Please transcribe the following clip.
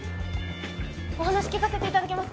お話聞かせて頂けますか？